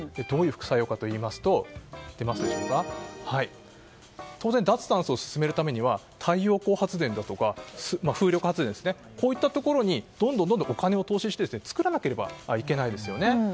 どういう副作用かといいますと当然、脱炭素を進めるためには太陽光発電だとか風力発電といったところにどんどんお金を投資して作らなければいけないですよね。